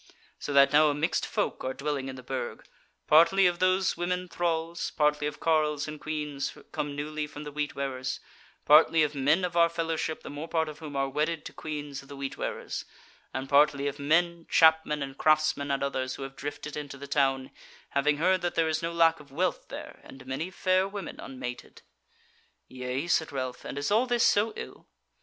"So that now a mixed folk are dwelling in the Burg, partly of those women thralls, partly of carles and queans come newly from the Wheat wearers, partly of men of our Fellowship the more part of whom are wedded to queans of the Wheat wearers, and partly of men, chapmen and craftsmen and others who have drifted into the town, having heard that there is no lack of wealth there, and many fair women unmated." "Yea," said Ralph, "and is all this so ill?"